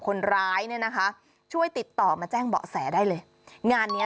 คนร้ายเนี่ยนะคะช่วยติดต่อมาแจ้งเบาะแสได้เลยงานเนี้ย